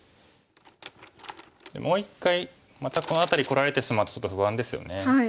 もう一回またこの辺りこられてしまうとちょっと不安ですよね。